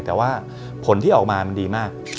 แต่ว่าผลที่ออกมามันดีมาก